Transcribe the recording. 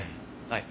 はい。